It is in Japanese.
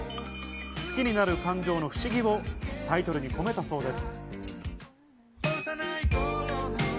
好きになる感情の不思議をタイトルに込めたそうです。